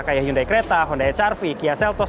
kayak hyundai creta hyundai charvy kia seltos